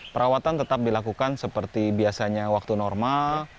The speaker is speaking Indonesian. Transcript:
perawatan tetap dilakukan seperti biasanya waktu normal